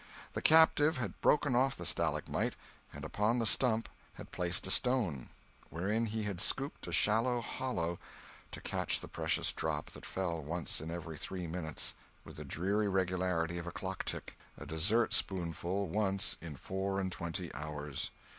The captive had broken off the stalagmite, and upon the stump had placed a stone, wherein he had scooped a shallow hollow to catch the precious drop that fell once in every three minutes with the dreary regularity of a clock tick—a dessertspoonful once in four and twenty hours.